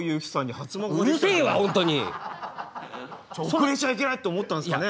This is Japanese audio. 後れちゃいけないって思ったんですかね？